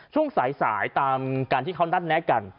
ช่วงสายตามการที่เขานัดแนะกัน